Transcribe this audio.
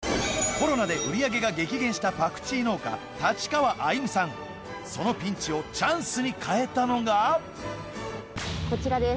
コロナで売り上げが激減したそのピンチをチャンスに変えたのがこちらです